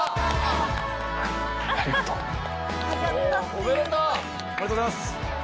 おめでとうございます。